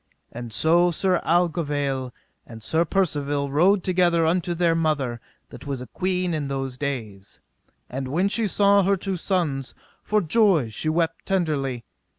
And so Sir Aglovale and Sir Percivale rode together unto their mother that was a queen in those days. And when she saw her two sons, for joy she wept tenderly.